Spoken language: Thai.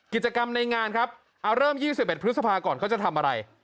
กิจกรรมในงานครับอ่าเริ่มยี่สิบเอ็ดพฤศภาก่อนเขาจะทำอะไร